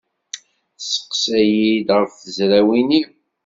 Tesseqsa-iyi-d ɣef tezrawin-iw.